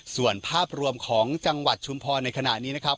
ส่วนภาพรวมของจังหวัดชุมพรในขณะนี้นะครับ